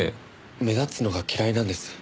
目立つのが嫌いなんです。